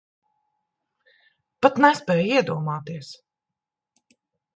Pat nespēj iedomāties.